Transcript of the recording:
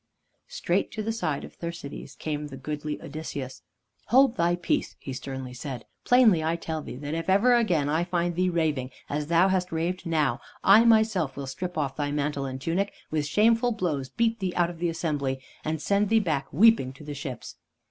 Straight to the side of Thersites came the goodly Odysseus. "Hold thy peace," he sternly said. "Plainly I tell thee that if ever again I find thee raving as thou hast raved now, I myself will strip off thy mantle and tunic, with shameful blows beat thee out of the assembly, and send thee back weeping to the ships."